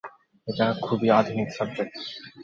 এটা খুবই আধুনিক সাবজেক্ট।